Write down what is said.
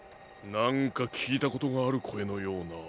なんかきいたことがあるこえのような。